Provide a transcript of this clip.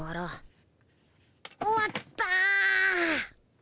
終わった！